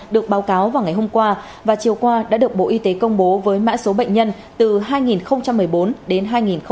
được báo cáo vào ngày hôm qua và chiều qua đã được bộ y tế công bố với mã số bệnh nhân từ hai nghìn một mươi bốn đến hai nghìn một mươi tám